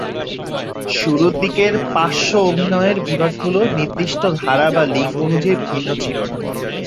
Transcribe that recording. শুরুর দিকে পার্শ্ব অভিনয়ের বিভাগগুলো নির্দিষ্ট ধারা বা লিঙ্গ অনুযায়ী ভিন্ন ছিল না।